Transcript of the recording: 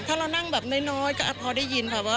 ถ้าเรานั่งแบบน้อยก็พอได้ยิน